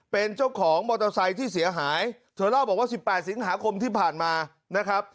เป็นเจ้าของมอเตอร์ไซค์ที่เสียหายเธอเล่าบอกว่าสิบแปดสิงหาคมที่ผ่านมานะครับ